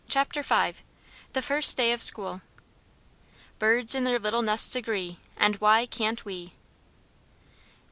CHAPTER V The First Day of School "Birds in their little nests agree. And why can't we?"